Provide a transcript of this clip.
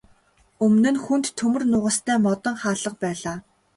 Өмнө нь хүнд төмөр нугастай модон хаалга байлаа.